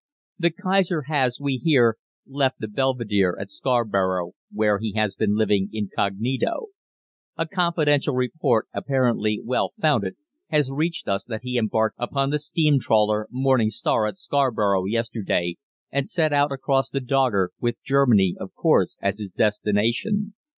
"The Kaiser has, we hear, left the 'Belvedere,' at Scarborough, where he has been living incognito. A confidential report, apparently well founded, has reached us that he embarked upon the steam trawler Morning Star at Scarborough yesterday, and set out across the Dogger, with Germany, of course, as his destination.